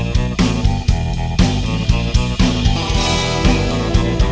nunggu akang di surga